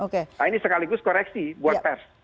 nah ini sekaligus koreksi buat pers